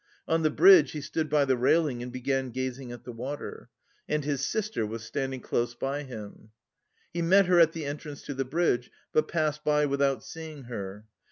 On the bridge he stood by the railing and began gazing at the water. And his sister was standing close by him. He met her at the entrance to the bridge, but passed by without seeing her.